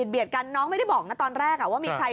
เบียดกันน้องไม่ได้บอกนะตอนแรกว่ามีใคร